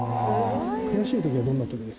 悔しいときはどんなときです